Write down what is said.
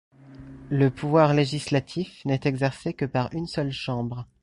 Le pouvoir législatif n'est exercé que par une seule chambre.